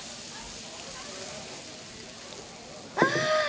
ああ！